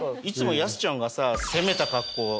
いつもヤスちゃんがさ攻めた格好。